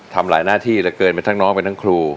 ทำหลายหน้าที่เหลือเกินไปทั้งน้องเป็นทั้งครู